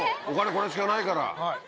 これしかないから。